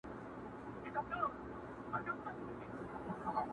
وجود غواړمه چي زغم د نسو راوړي,